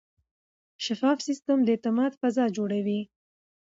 شفاف سیستم د اعتماد فضا جوړوي.